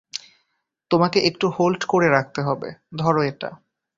তোমাকে একটু হোল্ড করে রাখতে হবে, ধরো এটা।